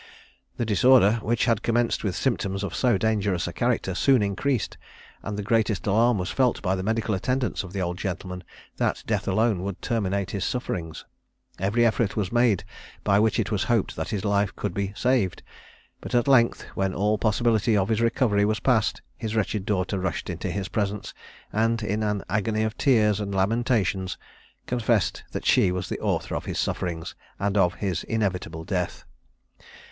The disorder, which had commenced with symptoms of so dangerous a character, soon increased; and the greatest alarm was felt by the medical attendants of the old gentleman, that death alone would terminate his sufferings. Every effort was made by which it was hoped that his life could be saved; but at length, when all possibility of his recovery was past, his wretched daughter rushed into his presence, and in an agony of tears and lamentations, confessed that she was the author of his sufferings and of his inevitable death.